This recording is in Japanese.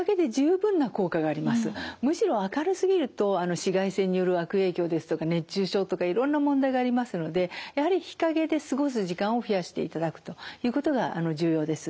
むしろ明るすぎると紫外線による悪影響ですとか熱中症とかいろんな問題がありますのでやはり日陰で過ごす時間を増やしていただくということが重要です。